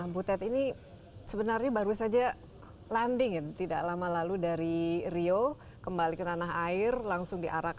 butet ini sebenarnya baru saja landing ya tidak lama lalu dari rio kembali ke tanah air langsung diarak